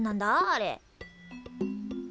あれ。